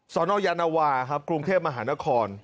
สนยาวนาวาครุงเทพมหานคร